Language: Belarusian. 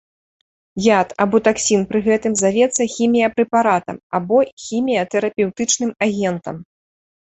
Яд або таксін пры гэтым завецца хіміяпрэпаратам, або хіміятэрапеўтычным агентам.